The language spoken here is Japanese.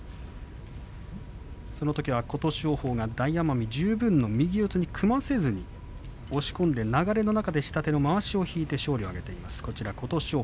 そのときは琴勝峰が大奄美に十分の右四つに組ませずに押し込んで流れの中で下手のまわしを引いて勝ちました。